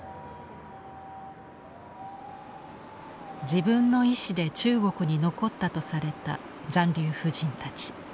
自分の意思で中国に残ったとされた残留婦人たち。